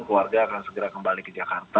keluarga akan segera kembali ke jakarta